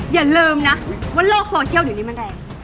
อย่าลืมนะว่าโลกโซเชียลเดี๋ยวนี้มันแรง